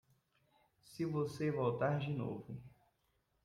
Se você voltar de novo